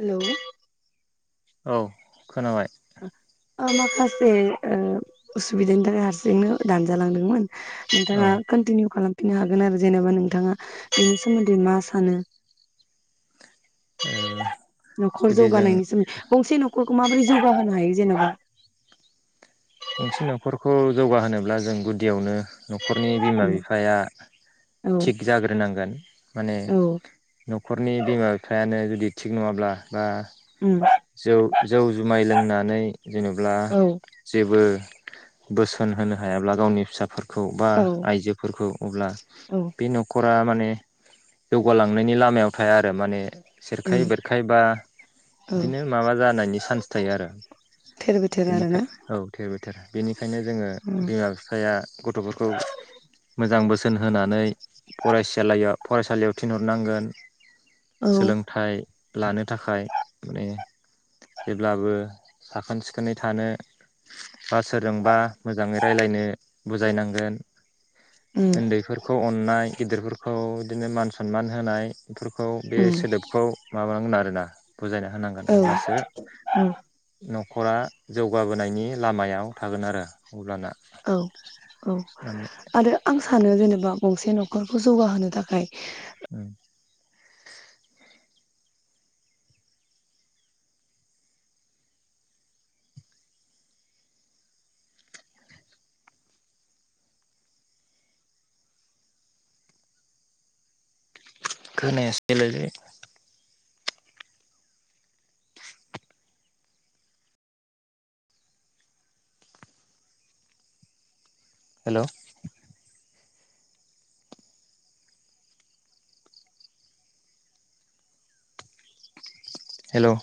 हेल' औ खोनाबाय । माखासे उसुबिदानि थाखाय हारसिंनो दानजालांदोंमोन । औ नोंथाङा कन्टिनिउ खालाम फिननो हागोन आरो जेनेबा नोंथाङा बेनि सोमोन्दै मा सानो? ओ न'खर जुदि जों जौगानायनि सोमोन्दै गंसे न'खर खौ माबोरै जौगा होनो हायो जेनेबा? गंसे न'खरखौ जौगाहोनोब्ला जों गुदियावनो न'खरनि बिमा बिफाया औ थिग जाग्रोनांगोन । माने औ न'खरनि बिमा बिफायानो जुदि थिग नङाब्ला बा उम जौ जौ जुमाय लों नानै जेनेब्ला औ जेबो बोसोन होनो हायाब्ला गावनि फिसाफोर खौ बा औ आइजोफोरखौ अब्ला औ बे न'खर फ्रा माने जौगालांनायनि लामायाव थाया आरो माने सेरखाय उम बेरखायबा औ बिदिनो माबा जानायनि चान्स थायो आरो थेर बेथेर आरोना बेनिखाय औ थेर बेथेर बेनिखायनो जोङो उम बिमा बिफाया गथ'फोरखौ मोजां बोसो न होनानै फरायसालैयाव फरायसालियाव थिनहरनांगोन औ सोलोंथाइ लानो थाखाय माने जेब्लाबो साखोन सिखोनै थानो बा सोरजोंबा मोजाङै रायलायनो बुजायनांगोन उम उन्दैफोरखौ अननाय गिदिरफोरखौ इदिनो मान सनमान होनाय इफोरखौ बे उम सोदोबखौ माबा बुंनो आरोना बुजायना होनांगोन औ अब्लासो औ न' खरा जौगाबोनायनि लामायाव थागोन आरो अब्लाना औ औ माने आरो आं सानो जेने बा गंसे न'खरखौ जौगाहोनो थाखाय ओं खोनायासैलायलै हेलौ हेलौ